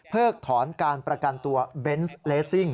ถอนการประกันตัวเบนส์เลสซิ่ง